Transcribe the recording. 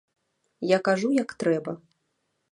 Я кажу як трэба.